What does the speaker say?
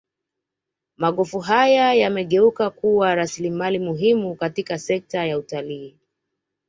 Magofu haya yamegeuka kuwa rasilimali muhimu katika sekta ya utalii